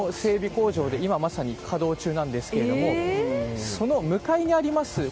工場で今まさに稼働中なんですがその向かいにあります